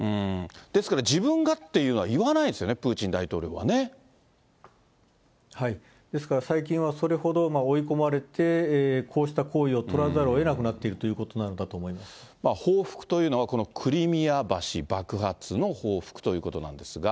ですから、自分がっていうのは言わないんですよね、プーチンですから、最近はそれほど追い込まれて、こうした行為を取らざるをえなくなっているということなのだと思報復というのは、このクリミア橋爆発の報復ということなんですが。